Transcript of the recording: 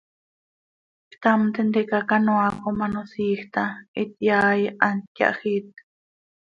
Ctam tintica canoaa com ano siij taa ityaai, hant yahjiit.